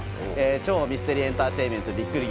超ミステリーエンターテインメントびっくり